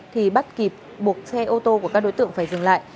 thì bắt kịp buộc xe ô tô của các đối tượng phải dừng lại